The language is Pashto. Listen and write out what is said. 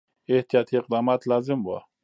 احتیاطي اقدامات لازم وه.